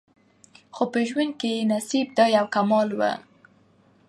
خو په ژوند کي یې نصیب دا یو کمال وو